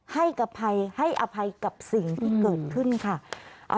ให้อภัยให้อภัยกับสิ่งที่เกิดขึ้นค่ะ